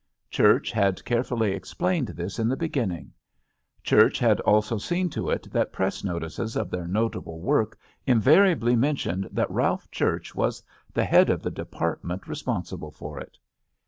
Church had carefully explained this in the beginning. Church had also seen to it that press notices of their notable work invariably mentioned that Ralph Church was the head of the department responsible for it.